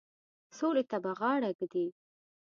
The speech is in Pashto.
سولي ته به غاړه ایږدي.